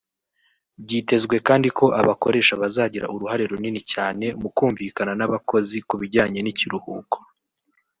Byitezwe kandi ko abakoresha bazagira uruhare runini cyane mu kumvikana n’abakozi ku bijyanye n’ikiruhuko